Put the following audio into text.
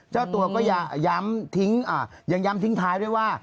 เจ้าตัวก็ย้ำทิ้งยังย้ำทิ้งท้ายด้วยว่า